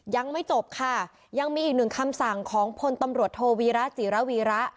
ยังไม่จบค่ะยังมีอีกหนึ่งคำสั่งของพลตำรวจโทวีระจิระวีระ